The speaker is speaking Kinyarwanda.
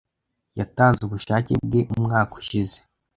Yatanze ubushake bwe umwaka ushize.